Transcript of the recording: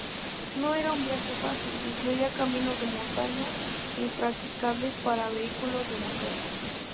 No era un viaje fácil, incluía caminos de montaña impracticables para vehículos de motor.